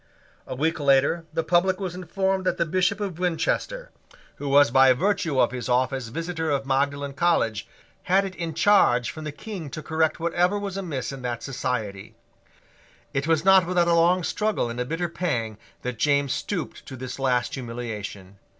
A week later the public was informed that the Bishop of Winchester, who was by virtue of his office Visitor of Magdalene College, had it in charge from the King to correct whatever was amiss in that society. It was not without a long struggle and a bitter pang that James stooped to this last humiliation.